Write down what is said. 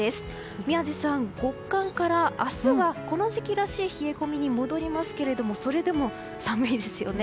宮司さん、極寒から明日はこの時期らしい冷え込みに戻りますけどそれでも寒いですよね。